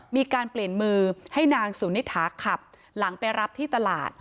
มีการเปลี่ยนมือให้นางสุนิถาขับหลังไปรับที่ตลาด